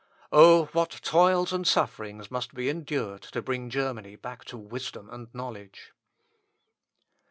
Oh! what toils and sufferings must be endured to bring Germany back to wisdom and knowledge!"